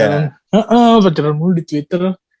iya pacaran mulu di twitter